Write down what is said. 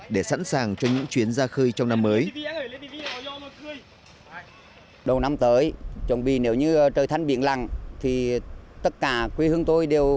để sẵn sàng cho những chuyến ra khơi